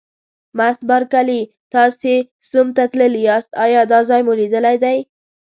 مس بارکلي: تاسي سوم ته تللي یاست، ایا دا ځای مو لیدلی دی؟